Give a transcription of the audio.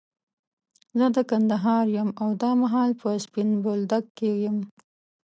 زه د کندهار يم، او دا مهال په سپين بولدک کي يم.